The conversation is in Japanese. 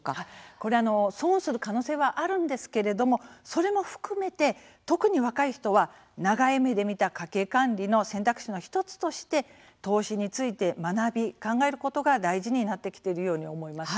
これ、損する可能性はあるんですけれどもそれも含めて特に若い人は長い目で見た家計管理の選択肢の１つとして投資について学び、考えることが大事になってきているように思います。